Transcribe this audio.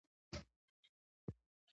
د مرکزي ځواک له امله سیارې په مدار کې ګرځي.